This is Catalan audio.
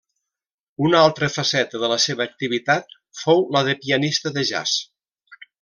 Una altra faceta de la seva activitat fou la de pianista de jazz.